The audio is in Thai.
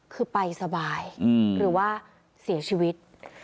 คือไปสบายหรือว่าเสียชีวิต